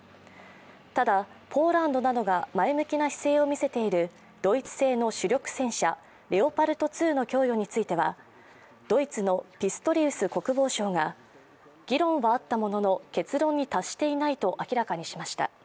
ただ、ポーランドなどが前向きな姿勢を見せているドイツ製の主力戦車・レオパルト２の供与についてはドイツのピストリウス国防相が議論はあったものの結論に達していないと明らかにしました。